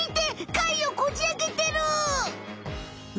貝をこじあけてる！